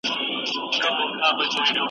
د بې عقل جواب سکوت دئ